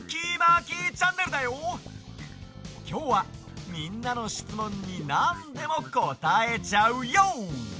きょうはみんなのしつもんになんでもこたえちゃうＹＯ！